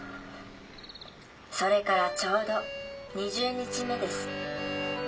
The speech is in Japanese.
それからちょうど２０日目です。